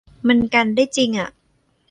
มันกันได้จิงอ่ะ